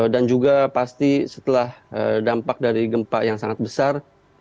dan juga pasti setelah dampak dari gempa yang sangat besar